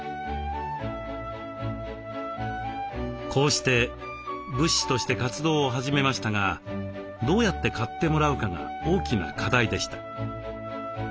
こうして仏師として活動を始めましたがどうやって買ってもらうかが大きな課題でした。